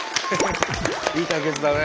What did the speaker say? いい対決だね。